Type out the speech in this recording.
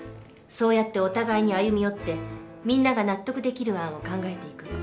そうやってお互いに歩み寄ってみんなが納得できる案を考えていくの。